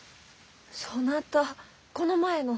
そなたこの前の。